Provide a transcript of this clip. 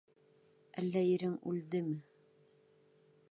Әллә ирең үлдеме?